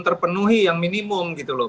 terpenuhi yang minimum